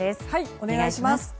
お願いします。